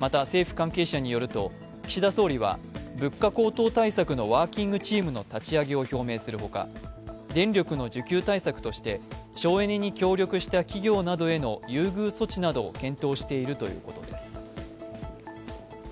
また、政府関係者によると、岸田総理は物価高騰対策のワーキングチームの立ち上げを表明するほか、電力の需給対策として省エネに協力した企業などへの優遇措置などを検討しているということです。